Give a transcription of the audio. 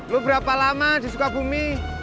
lu berapa lama disuka bumi